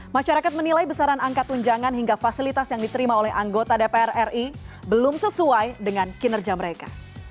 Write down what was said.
masyarakat menilai besaran angka tunjangan hingga fasilitas yang diterima oleh anggota dpr ri belum sesuai dengan kinerja mereka